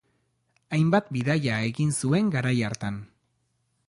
Hainbat bidaia egin zuen garai hartan.